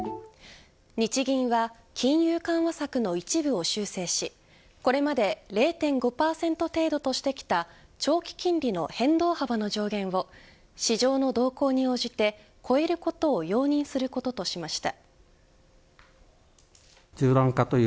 日銀は金融緩和策の一部を修正しこれまで０．５％程度としてきた長期金利の変動幅の上限を市場の動向に応じて超えることを容認することとしました。